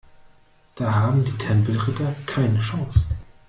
Da haben die Tempelritter keine Chance.